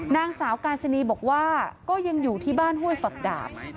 นางสาวกาซินีบอกว่าก็ยังอยู่ที่บ้านห้วยฝักดาบ